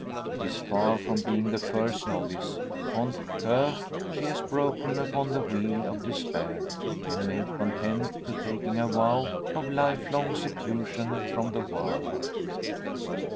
It is far from being the first novice contre coeur she has broken upon the wheel of despair and made content to taking a vow of life long seclusion from the world.